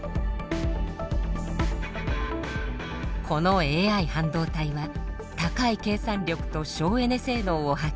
このＡＩ半導体は高い計算力と省エネ性能を発揮。